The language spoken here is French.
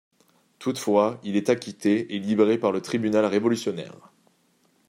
Toutefois, il est acquitté et libéré par le tribunal révolutionnaire.